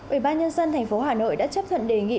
ủy ban nhân dân thành phố hà nội đã chấp thuận đề nghị